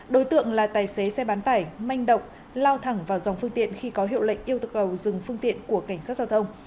đối tượng là tài xế xe bán tải manh động lao thẳng vào dòng phương tiện khi có hiệu lệnh yêu cầu dừng phương tiện của cảnh sát giao thông